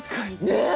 ねえ？